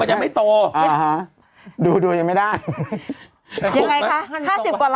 ยังไม่โตดูดูยังไม่ได้ยังไงคะห้าสิบกว่าล้าน